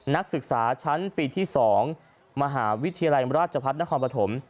นักศึกษาชั้นปีที่๒มหาวิทยาลัยราชพัฒนครปฐม